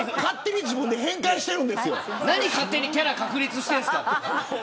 何勝手にキャラ確立してるんですか。